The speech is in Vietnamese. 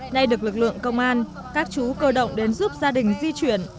nay được lực lượng công an các chú cơ động đến giúp gia đình di chuyển